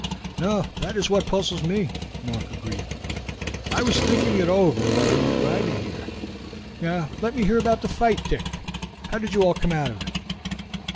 "No, that is what puzzles me," Mark agreed. "I was thinking it over while we were driving here. Now let me hear about the fight, Dick. How did you all come out of it?"